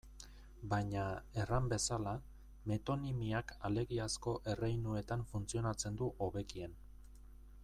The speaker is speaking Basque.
Baina, erran bezala, metonimiak alegiazko erreinuetan funtzionatzen du hobekien.